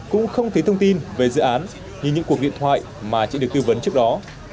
cũng không thấy thông tin về dự án như những cuộc điện thoại mà chị được tư vấn trước đó